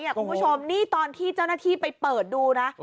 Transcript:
คุณผู้ชมนี่ตอนที่เจ้าหน้าที่ไปเปิดดูนะ